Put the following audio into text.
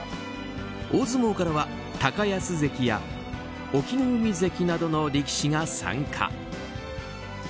大相撲からは高安関や隠岐の海関などの力士が参加。